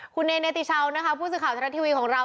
คุณเนย์เนติเชานะครับผู้สึกข่าวทนะทีวีของเรา